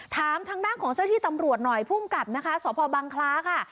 ถามทางด้านของเจ้าที่ตำรวจหน่อยภูมิกับนะคะสพบังคล้าค่ะ